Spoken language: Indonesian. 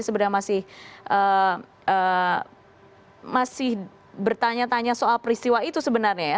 sebenarnya masih bertanya tanya soal peristiwa itu sebenarnya ya